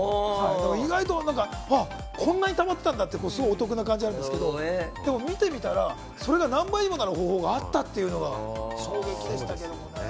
意外とこんなに貯まったんだって、お得な感じですけど、でも見てみたら、それが何倍にもなる方法があったというのが衝撃でしたけど。